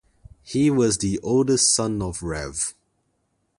He was the eldest son of Rev.